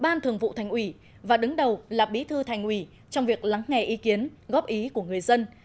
ban thường vụ thành ủy và đứng đầu là bí thư thành ủy trong việc lắng nghe ý kiến góp ý của người dân